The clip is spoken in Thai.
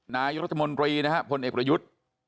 นายรัฐมนตรีนะครับพลเอกประยุทธ์